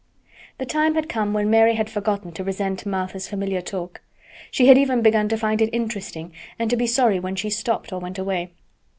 The time had come when Mary had forgotten to resent Martha's familiar talk. She had even begun to find it interesting and to be sorry when she stopped or went away.